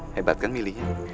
hebat kan milihnya